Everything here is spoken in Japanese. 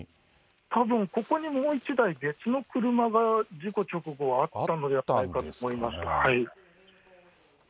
たぶんここにもう１台別の車が事故直後はあったのじゃないか